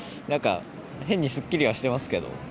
変にすっきりはしてますけど。